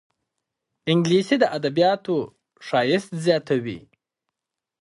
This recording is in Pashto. انګلیسي د ادبياتو ښایست زیاتوي